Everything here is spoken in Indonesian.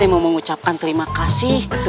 saya mau mengucapkan terima kasih